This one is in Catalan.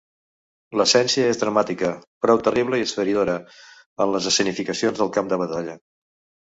L'essència és dramàtica, prou terrible i esfereïdora en les escenificacions del camp de batalla.